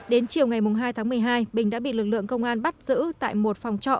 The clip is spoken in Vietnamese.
đến chiều ngày hai tháng một mươi hai bình đã bị lực lượng công an bắt giữ tại một phòng trọ